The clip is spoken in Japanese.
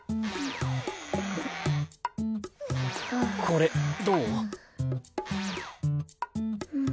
これどう？